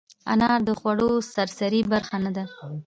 انار د خوړو سرسري برخه نه ده.